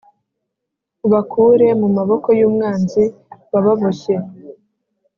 ubakure mu maboko y’umwanzi wababoshye